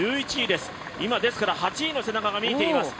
今８位の背中が見えています。